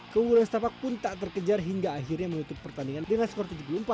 keunggulan stepak pun tak terkejar hingga akhirnya menutup pertandingan dengan skor tujuh puluh empat lima puluh enam